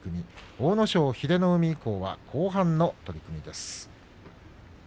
阿武咲、英乃海から後半の取組です。